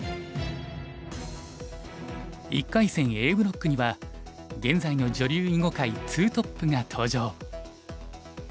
１回戦Ａブロックには現在の女流囲碁界２トップが登場。